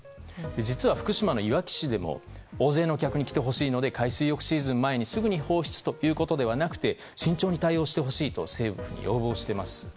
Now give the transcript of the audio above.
実は福島のいわき市でも大勢のお客に来てほしいので海水浴シーズン前にすぐに放出ということではなくて慎重に対応してほしいと政府に要望しています。